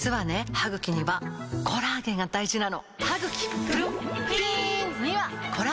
歯ぐきにはコラーゲンが大事なの！